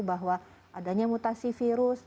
bahwa adanya mutasi virus